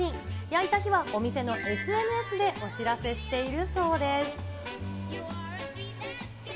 焼いた日はお店のＳＮＳでお知らせしているそうです。